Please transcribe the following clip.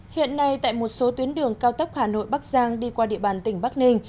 hiện nay tại một số tuyến đường cao tốc hà nội bắc giang đi qua địa bàn tỉnh bắc ninh